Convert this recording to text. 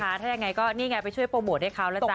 ถ้าอย่างไรก็นี่ไงไปช่วยโปรโมทให้เขาล่ะจ๊ะ